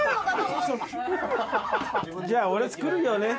じゃあ俺作るよね。